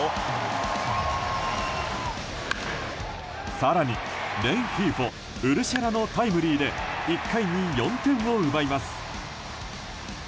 更に、レンヒーフォウルシェラのタイムリーで１回に４点を奪います。